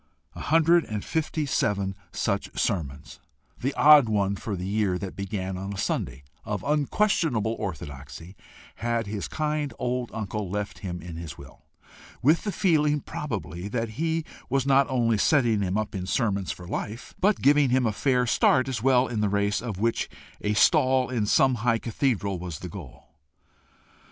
A hundred and fifty seven such sermons, the odd one for the year that began on a Sunday, of unquestionable orthodoxy, had his kind old uncle left him in his will, with the feeling probably that he was not only setting him up in sermons for life, but giving him a fair start as well in the race of which a stall in some high cathedral was the goal.